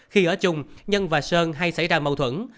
khi ở chung nhân và sơn hay xảy ra mâu thuẫn